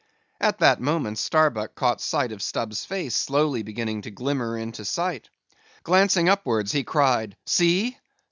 At that moment Starbuck caught sight of Stubb's face slowly beginning to glimmer into sight. Glancing upwards, he cried: "See!